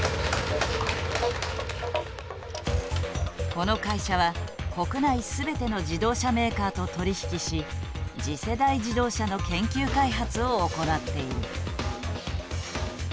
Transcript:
この会社は国内全ての自動車メーカーと取り引きし次世代自動車の研究開発を行っている。